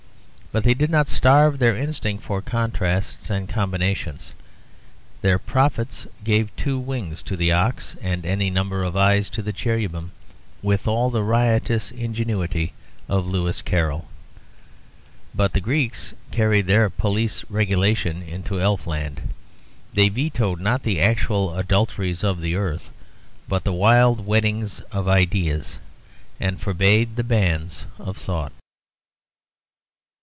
But they did not starve their instinct for contrasts and combinations; their prophets gave two wings to the ox and any number of eyes to the cherubim with all the riotous ingenuity of Lewis Carroll. But the Greeks carried their police regulation into elfland; they vetoed not the actual adulteries of the earth but the wild weddings of ideas, and forbade the banns of thought.